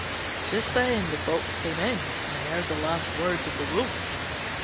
Just then the Fox came in and heard the last words of the Wolf.